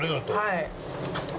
はい。